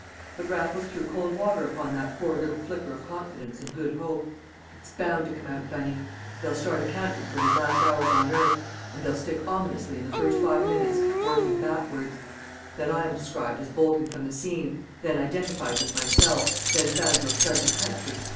But Raffles threw cold water upon that poor little flicker of confidence and good hope. "It's bound to come out, Bunny. They'll start accounting for his last hours on earth, and they'll stick ominously in the first five minutes working backwards. Then I am described as bolting from the scene, then identified with myself, then found to have fled the country!